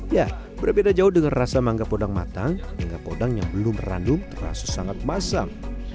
ya berbeda jauh dengan rasa mangga podang matang dengan podang yang belum randum terasa sangat masang